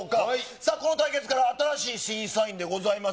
さあ、この対決から新しい審査員でございます。